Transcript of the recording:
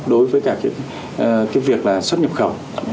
đối với cả cái việc là xuất nhập khẩu